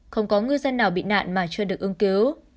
không có ngư dân nào bị nạn mà chưa được ứng cứu